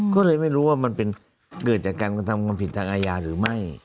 ก็เลยไม่รู้ว่ามันเป็นเกิดจากการกระทำความผิดทางอาญาหรือไม่